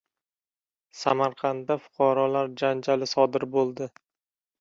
Samarqandda fuqarolar janjali sodir bo‘ldi